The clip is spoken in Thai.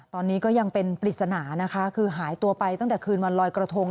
ตอนนี้ก็ยังเป็นปริศนานะคะคือหายตัวไปตั้งแต่คืนวันลอยกระทง